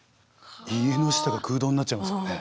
家の下が空洞になっちゃいますよね。